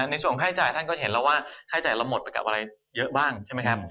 ในส่วนของค่าจ่ายท่านก็เห็นแล้วว่าค่าจ่ายเราหมดไปกับอะไรเยอะบ้างใช่ไหมครับ